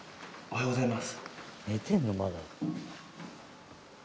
おはようございます。